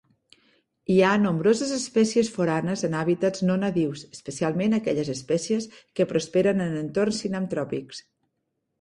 Hi ha nombroses espècies foranes en hàbitats no nadius, especialment aquelles espècies que prosperen en entorns sinantròpics.